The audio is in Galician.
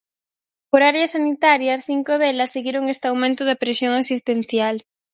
Por áreas sanitarias, cinco delas seguiron este aumento da presión asistencial.